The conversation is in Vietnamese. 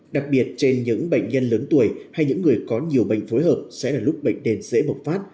đặc biệt trên những bệnh nhân lớn tuổi hay những người có nhiều bệnh phối hợp sẽ là lúc bệnh nền dễ bộc phát